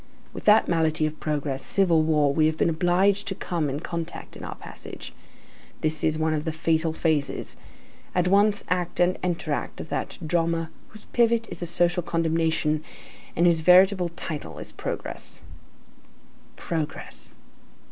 With that malady of progress, civil war, we have been obliged to come in contact in our passage. This is one of the fatal phases, at once act and entr'acte of that drama whose pivot is a social condemnation, and whose veritable title is Progress. Progress!